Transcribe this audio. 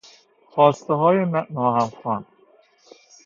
خواستههای ناهمخوان